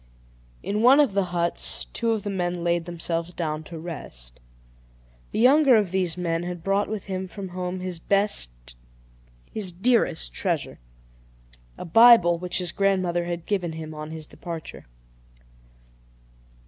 In one of the huts, two of the men laid themselves down to rest. The younger of these men had brought with him from home his best, his dearest treasure a Bible, which his grandmother had given him on his departure.